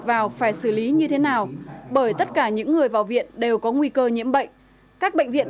vào phải xử lý như thế nào bởi tất cả những người vào viện đều có nguy cơ nhiễm bệnh các bệnh viện